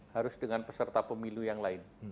harus dengan peserta pemilu yang lain